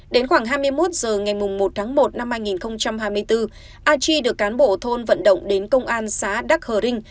đến khoảng hai mươi một h ngày một tháng một năm hai nghìn hai mươi bốn a chi được cán bộ thôn vận động đến công an xã đắc hờ rinh